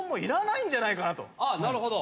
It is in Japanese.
なるほど。